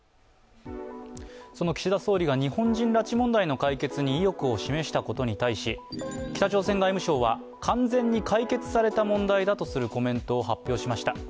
その岸田総理が日本人拉致問題の解決に意欲を示したことに対し北朝鮮外務省は、完全に解決された問題だとするコメントを発表しました。